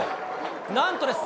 なんとです。